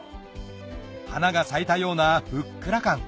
花が咲いたようなふっくら感